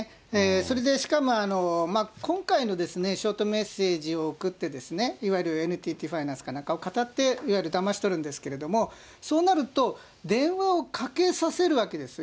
それで、しかも今回のショートメッセージを送ってですね、いわゆるＮＴＴファイナンスなんかをかたって、いわゆるだまし取るんですけど、そうなると、電話を掛けさせるわけですよ。